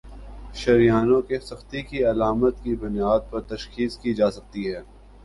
شریانوں کی سختی کی علامات کی بنیاد پر تشخیص کی جاسکتی ہے